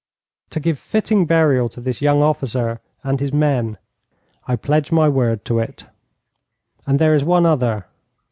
'To give fitting burial to this young officer and his men.' 'I pledge my word to it.' 'And there is one other.'